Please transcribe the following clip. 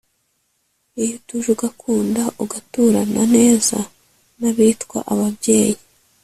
Iyo utuje ugakundaUgaturana nezaN’abitwa ababyeyi!